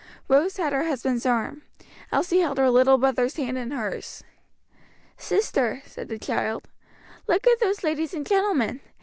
Rose had her husband's arm. Elsie held her little brother's hand in hers. "Sister," said the child, "look at those ladies and gentlemen.